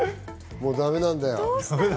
もうだめなんだよ。